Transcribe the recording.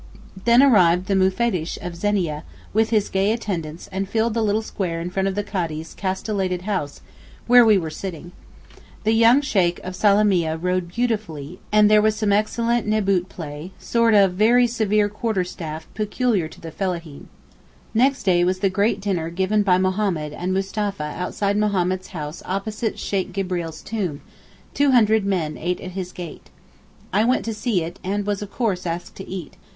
Then arrived the Mufettish of Zenia with his gay attendants and filled the little square in front of the Cadi's castellated house where we were sitting. The young Sheykh of Salamieh rode beautifully and there was some excellent Neboot play (sort of very severe quarterstaff peculiar to the Fellaheen). Next day was the great dinner given by Mohammed and Mustapha outside Mohammed's house opposite Sheykh Gibreel's tomb—200 men ate at his gate. I went to see it and was of course asked to eat.